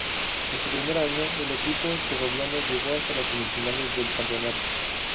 En su primer año, el equipo segoviano llegó hasta las semifinales del campeonato.